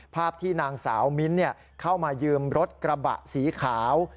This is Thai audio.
ภาพที่นางสาวมิ้นเข้ามายืมรถกระบะสีขาว